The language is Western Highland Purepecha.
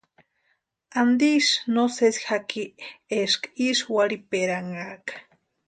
¿Antisï no sesí jaki eska ísï warhiperanhaaka?